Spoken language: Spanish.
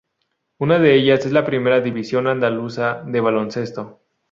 Una de ellas es la Primera División Andaluza de Baloncesto.